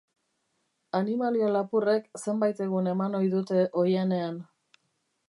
Animalia-lapurrek zenbait egun eman ohi dute oihanean.